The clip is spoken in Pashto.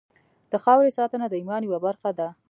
د خاورې ساتنه د ایمان یوه برخه ده.